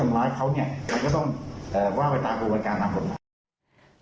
มันก็ต้องเอ่อว่าไปตามโรงพยาบาลการณ์นานหมด